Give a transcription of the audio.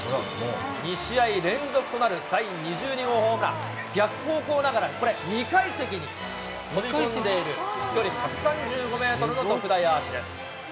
２試合連続となる第２２号ホームラン、逆方向ながら、これ、２階席に飛び込んでいる、飛距離１３５メートルの特大アーチです。